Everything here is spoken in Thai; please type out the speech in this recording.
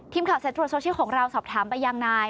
ทีมข่าวใส่ตรวจโซเชียลของเราสอบถามไปยังไง